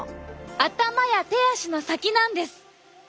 頭や手足の先なんです。